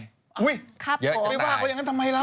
ไม่ว่าเขายังงั้นทำไมแล้ว